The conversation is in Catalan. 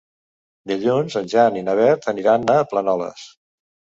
Dilluns en Jan i na Beth aniran a Planoles.